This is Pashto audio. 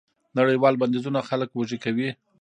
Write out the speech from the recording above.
نړیوال بندیزونه خلک وږي کوي.